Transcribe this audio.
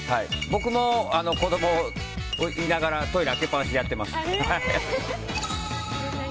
僕も子供いながらトイレ開けっ放しでやってます。